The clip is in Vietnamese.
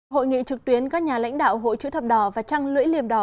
hội nghị trực tuyến các nhà lãnh đạo hội chữ thập đỏ và trăng lưỡi liềm đỏ